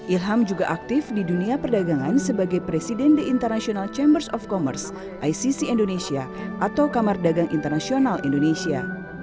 ilham juga aktif di dunia perdagangan sebagai presiden the international chambers of commerce icc indonesia atau kamar dagang internasional indonesia